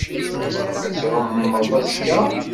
Ad tɛummeḍ azekka?